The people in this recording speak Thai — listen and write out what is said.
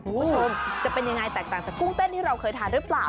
คุณผู้ชมจะเป็นยังไงแตกต่างจากกุ้งเต้นที่เราเคยทานหรือเปล่า